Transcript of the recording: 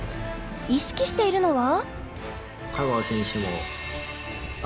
意識しているのは？